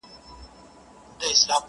نه مخ گوري د نړۍ د پاچاهانو!!